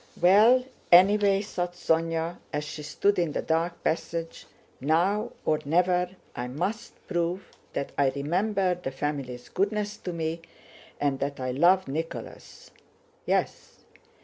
"Well, anyway," thought Sónya as she stood in the dark passage, "now or never I must prove that I remember the family's goodness to me and that I love Nicholas. Yes!